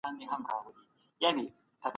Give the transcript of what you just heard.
تاسو دا مهال ښه ليکنه لولئ.